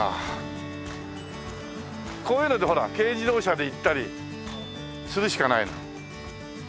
こういうのでほら軽自動車で行ったりするしかない。